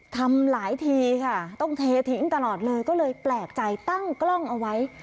ทำหลายทีค่ะต้องเททิ้งตลอดเลยก็เลยแปลกใจตั้งกล้องเอาไว้